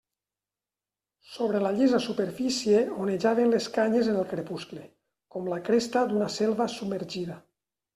Sobre la llisa superfície onejaven les canyes en el crepuscle, com la cresta d'una selva submergida.